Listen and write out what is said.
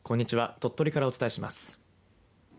鳥取からお伝えします。